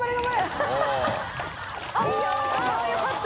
よかった！